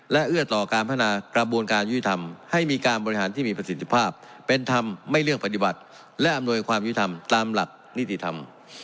และเอื้อต่อการพัฒนากระบวนการยุติธรรมให้มีการบริหารที่มีประสิทธิภาพเป็นธรรมไม่เรื่องปฏิบัติและอำนวยความยุทธรรมตามหลักนิติธรรม